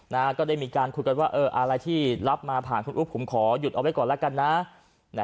ก็ได้มีการคุยกันว่าเอออะไรที่รับมาผ่านคุณอุ๊บผมขอหยุดเอาไว้ก่อนแล้วกันนะ